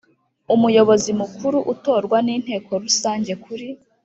Umuyobozi mukuru atorwa n inteko rusange kuri